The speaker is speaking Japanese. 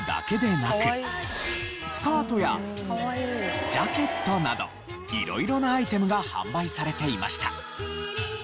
スカートやジャケットなど色々なアイテムが販売されていました。